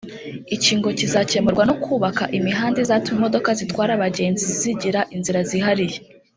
Iki ngo kizakemurwa no kubaka imihanda izatuma imodoka zitwara abagenzi zigira inzira zihariye